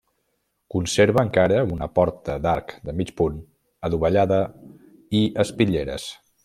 Conserva encara una porta d'arc de mig punt, adovellada, i espitlleres.